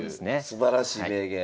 すばらしい名言。